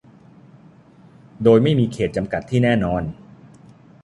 โดยไม่มีเขตต์จำกัดที่แน่นอน